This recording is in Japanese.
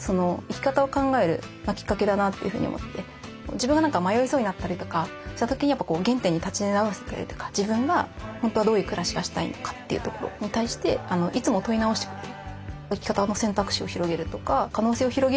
自分が何か迷いそうになったりとかした時にやっぱ原点に立ち直らせてくれるとか自分が本当はどういう暮らしがしたいのかというところに対していつも問い直してくれる。